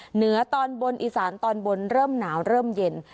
เหนือตอนบนอีสานตอนบนเริ่มหนาวเริ่มเย็น